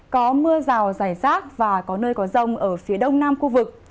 có mưa rào rải rác và có nơi có rông ở phía đông nam khu vực